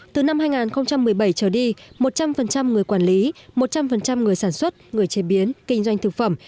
từ năm hai nghìn một mươi bảy trở đi một trăm linh người quản lý một trăm linh người sản xuất người chế biến kinh doanh thực phẩm